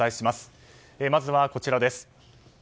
まずは、こちらです。